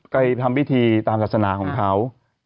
ไปทำพิธีตามศาสนาของเขา